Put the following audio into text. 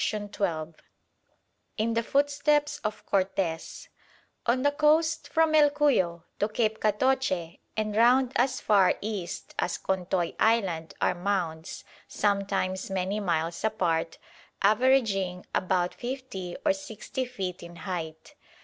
CHAPTER VIII IN THE FOOTSTEPS OF CORTES On the coast from El Cuyo to Cape Catoche and round as far east as Contoy Island are mounds, sometimes many miles apart, averaging about 50 or 60 feet in height.